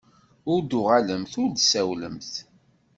Ur d-tuɣalemt ur d-tsawlemt.